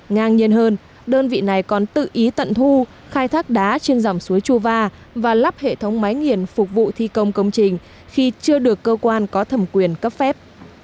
ngang nhiên hơn đơn vị này còn tự ý tận thu khai thác đá trên dòng suối chuva và lắp hệ thống máy nghiền phục vụ thi công công trình khi chưa được cơ quan có thẩm quyền cấp phép